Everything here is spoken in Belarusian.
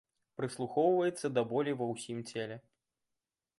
Прыслухоўваецца да болі ва ўсім целе.